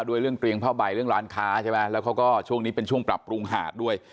เรื่องเตียงผ้าใบเรื่องร้านค้าใช่ไหมแล้วเขาก็ช่วงนี้เป็นช่วงปรับปรุงหาดด้วย